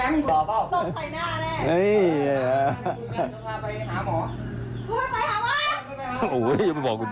น้ำแล้วก็พาไปนอน